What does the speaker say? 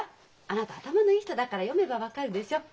あなた頭のいい人だから読めば分かるでしょう？